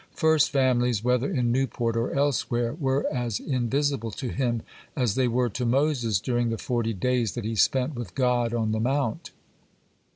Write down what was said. First families, whether in Newport or elsewhere, were as invisible to him as they were to Moses during the forty days that he spent with God on the Mount.